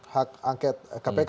hak angket kpk